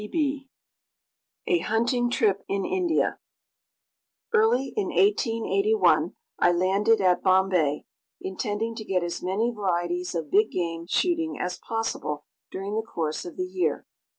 _ A Hunting Trip in India Early in 1881 I landed at Bombay, intending to get as many varieties of big game shooting as possible during the course of the year.